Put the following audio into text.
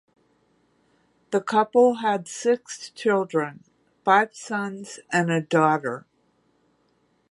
The couple had six children: five sons and a daughter.